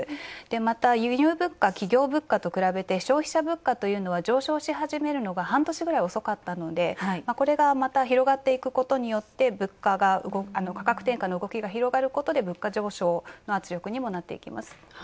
また、輸入物価、企業物価と比べて、消費者物価というのは上昇し始めるのが半年ぐらい遅かったのでこれがまた広がっていくことによって、価格転嫁の動きが広がることで、物価上昇が強くなってきます。